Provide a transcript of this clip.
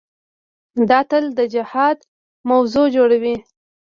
دا تل د اجتهاد موضوع جوړوي.